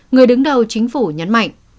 người đứng đầu chính phủ nhấn mạnh